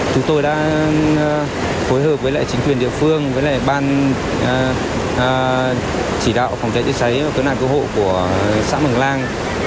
chúng tôi đã phối hợp với lại chính quyền địa phương với lại ban chỉ đạo phòng chế chế cháy và cơ nạn cơ hộ của xã mừng lang